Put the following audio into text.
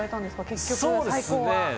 結局、最高は。